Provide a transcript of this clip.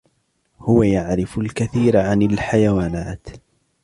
هو يعرف الكثير عن الحيوانات